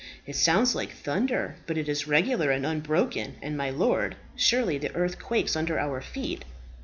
"It sounds like thunder; but it is regular and unbroken; and, my lord, surely the earth quakes under our feet!"